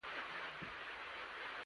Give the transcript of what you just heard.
د یوې میاشتي تنخواه یې راکړه.